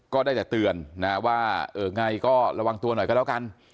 ก็ได้แต่เตือนนะว่าเออไงก็ระวังตัวหน่อยก็แล้วกัน